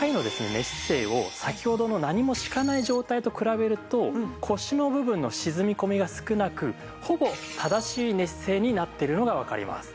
寝姿勢を先ほどの何も敷かない状態と比べると腰の部分の沈み込みが少なくほぼ正しい寝姿勢になってるのがわかります。